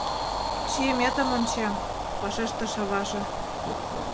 — Чиеметым ончем, — вашештыш аваже.